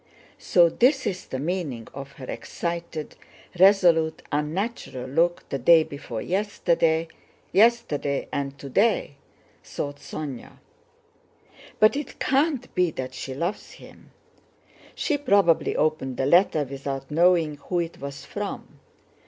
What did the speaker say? So this is the meaning of her excited, resolute, unnatural look the day before yesterday, yesterday, and today," thought Sónya. "But it can't be that she loves him! She probably opened the letter without knowing who it was from.